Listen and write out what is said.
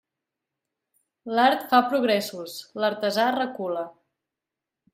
L'art fa progressos, l'artesà recula.